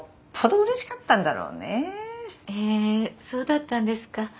えそうだったんですか。